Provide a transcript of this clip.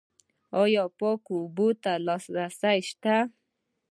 آیا پاکو اوبو ته لاسرسی شته؟